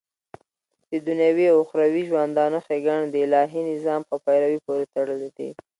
ددنيوي او اخروي ژوندانه ښيګڼي دالهي نظام په پيروۍ پوري تړلي دي